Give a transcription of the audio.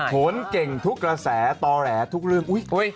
โหนเก่งทุกกระแสต่อแหลทุกเรื่องอุ๊ย